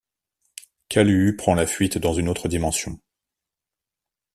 Kaluu prend la fuite dans une autre dimension.